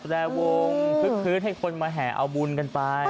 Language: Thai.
แรงวงคึกให้คนมาแห่เอาบุญกันไป